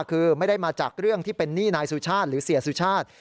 คือไม่ได้มาจากเรื่องที่เป็นหนี้นายสุชาติหรือเสียสุชาติ